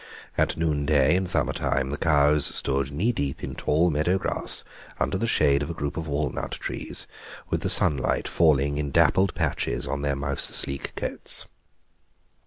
At noonday in summertime the cows stood knee deep in tall meadow grass under the shade of a group of walnut trees, with the sunlight falling in dappled patches on their mouse sleek coats.